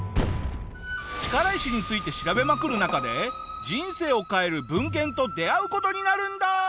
力石について調べまくる中で人生を変える文献と出会う事になるんだ！